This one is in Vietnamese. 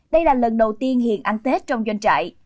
đây là lần đầu tiên hiền ăn tết trong doanh trại